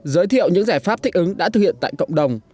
giới thiệu những giải pháp thích ứng đã thực hiện tại cộng đồng